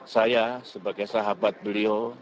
saya sebagai sahabat beliau